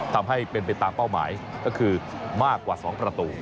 ทำให้เป็นไปตามเป้าหมายก็คือมากกว่า๒ประตู